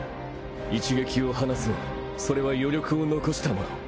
一撃を放つがそれは余力を残したもの。